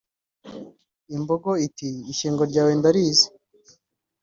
Imbogo iti “Ishyengo ryawe ndarizi